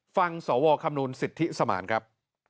ฟังสวคำนวณสิทธิสมานครับ